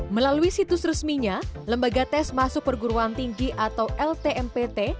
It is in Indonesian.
melalui situs resminya lembaga tes masuk perguruan tinggi atau ltmpt